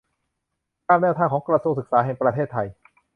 ตามแนวทางของกระทรวงศึกษาแห่งประเทศไทย